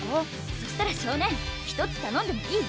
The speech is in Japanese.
そしたら少年１つたのんでもいい？